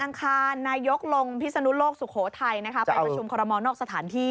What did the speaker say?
บางค่านายกลงพิษนุโลกสุโขทัยไปประชุมคอรมนอกสถานที่